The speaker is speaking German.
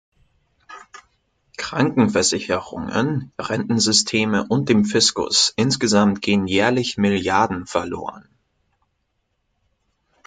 Krankenversicherungen, Rentensysteme und dem Fiskus insgesamt gehen jährlich Milliarden verloren.